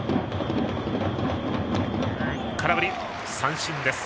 空振り三振。